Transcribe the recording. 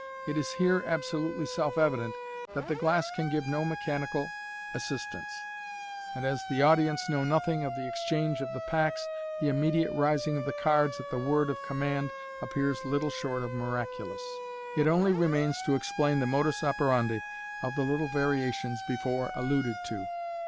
It is here absolutely self evident that the glass can give no mechanical assist ance } and as the audience know nothing of the exchange of the packs, the immediate rising of the cards at the word of command appears little short of miraculous. It only remains to explain the modus operandi of the little varia tions before alluded to.